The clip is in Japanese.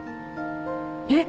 えっ！